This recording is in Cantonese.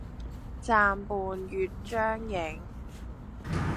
暫伴月將影，